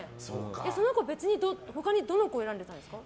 その子、他にどの子を選んでたんですか。